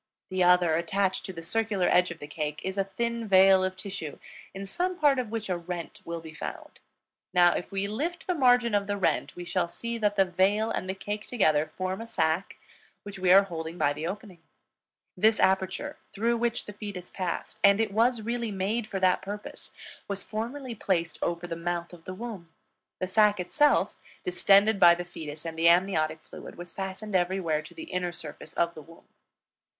The other, attached to the circular edge of the cake, is a thin veil of tissue, in some part of which a rent will be found. Now, if we lift the margin of the rent, we shall see that the veil and the cake together form a sac which we are holding by the opening. This aperture through which the fetus passed, and it was really made for that purpose, was formerly placed over the mouth of the womb; the sac itself, distended by the fetus and the amniotic fluid, was fastened everywhere to the inner surface of the womb.